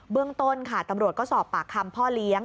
เรื่องต้นค่ะตำรวจก็สอบปากคำพ่อเลี้ยง